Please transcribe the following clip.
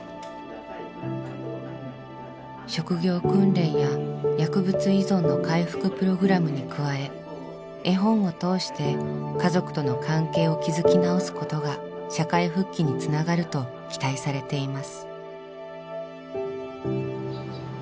職業訓練や薬物依存の回復プログラムに加え絵本を通して家族との関係を築き直すことが社会復帰につながると期待されています。